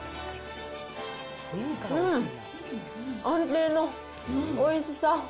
うん、安定のおいしさ。